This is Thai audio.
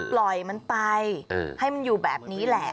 ปล่อยมันไปให้มันอยู่แบบนี้แหละ